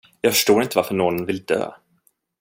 Jag förstår inte varför någon vill dö.